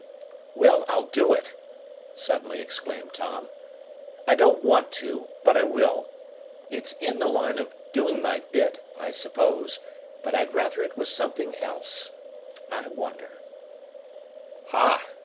"Well, I'll do it!" suddenly exclaimed Tom. "I don't want to, but I will. It's in the line of 'doing my bit,' I suppose; but I'd rather it was something else. I wonder " "Ha!